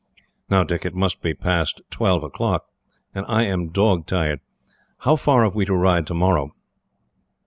"Now, Dick, it must be past twelve o'clock, and I am dog tired. How far have we to ride tomorrow?"